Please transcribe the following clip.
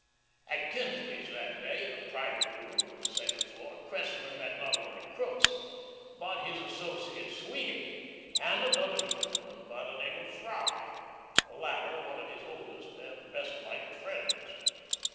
At Kinsley's that day, in a private room on the second floor, Cressler met not only Crookes, but his associate Sweeny, and another gentleman by the name of Freye, the latter one of his oldest and best liked friends.